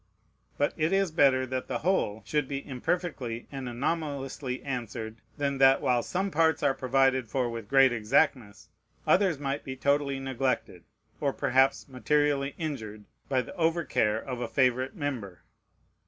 But it is better that the whole, should be imperfectly and anomalously answered than that while some parts are provided for with great exactness, others might be totally neglected, or perhaps materially injured, by the over care of a favorite member.